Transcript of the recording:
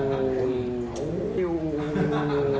ฮ่าฮ่าฮ่า